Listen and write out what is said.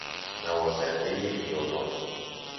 نوازنده ویولن